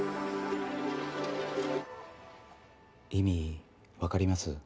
意味分かります？